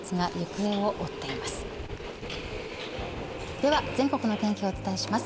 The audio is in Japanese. では全国のお天気をお伝えします。